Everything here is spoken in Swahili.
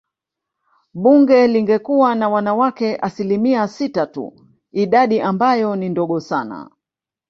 Bunge lingekuwa na wanawake asilimia sita tu idadi ambayo ni ndogo sana